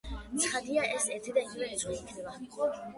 ცხადია, ეს ერთი და იგივე რიცხვი იქნება.